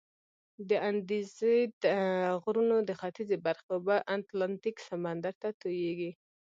د اندیزد غرونو د ختیځي برخې اوبه اتلانتیک سمندر ته تویږي.